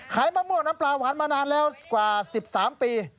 มะม่วงน้ำปลาหวานมานานแล้วกว่า๑๓ปี